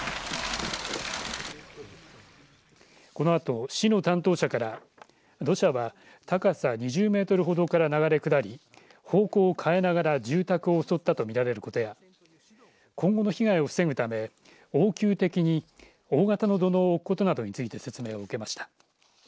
このあと市の担当者から土砂は高さ２０メートルほどから流れ下り方向を変えながら住宅を襲ったと見られることや今後の被害を防ぐため応急的に大型の土のうを置くことなどについて説明を受けました。